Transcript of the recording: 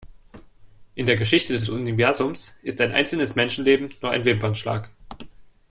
In der Geschichte des Universums ist ein einzelnes Menschenleben nur ein Wimpernschlag.